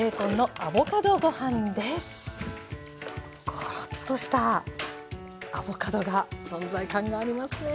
コロッとしたアボカドが存在感がありますね。